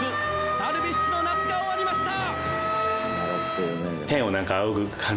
ダルビッシュの夏が終わりました。